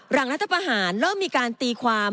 รัฐประหารเริ่มมีการตีความ